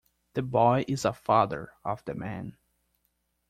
The boy is the father of the man.